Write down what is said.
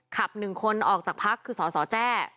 ขับหนึ่งคนออกจากพคคือสอสอแจ้